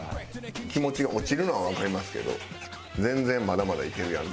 気持ちが落ちるのはわかりますけど全然まだまだいけるやんって思いますんで。